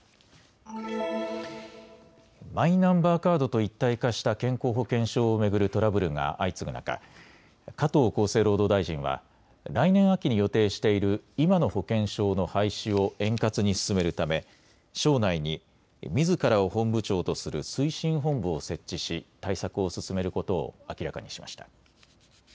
マイナンバーカードと一体化した健康保険証を巡るトラブルが相次ぐ中、加藤厚生労働大臣は来年秋に予定している今の保険証の廃止を円滑に進めるため省内にみずからを本部長とする推進本部を設置し対策を進めることを明らかにしました。